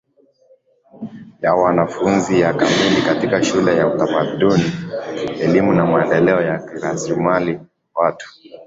ya wanafunzi ya kamili katika shule ya utamaduni elimu na Maendeleo ya rasilimali watu